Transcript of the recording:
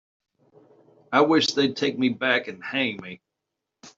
I wish they'd take me back and hang me.